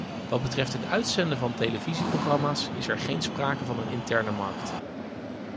Wat betreft het uitzenden van televisieprogramma's is er geen sprake van een interne markt.